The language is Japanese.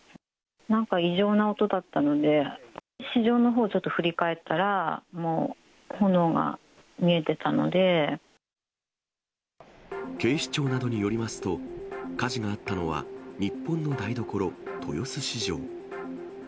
なんか異常な音だったので、市場のほう、ちょっと振り返った警視庁などによりますと、火事があったのは日本の台所、豊洲市場。